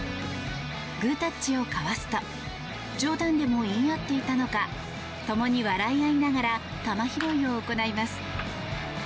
グータッチを交わすと冗談でも言い合っていたのかともに笑い合いながら球拾いを行います。